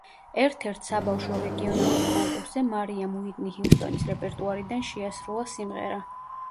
ერთ-ერთ საბავშვო რეგიონალურ კონკურსზე მარიამ უიტნი ჰიუსტონის რეპერტუარიდან შეასრულა სიმღერა.